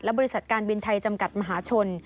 บริษัทการบินไทยจำกัดมหาชน